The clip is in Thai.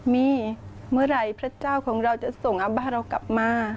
มีเมื่อไหร่พระเจ้าของเราจะส่งอาบ้าเรากลับมา